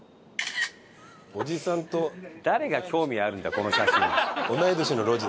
誰が興味あるんだこの写真。